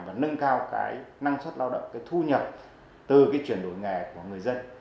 và nâng cao năng suất lao động thu nhập từ chuyển đổi nghề của người dân